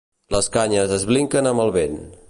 Les canyes es vinclen amb el vent.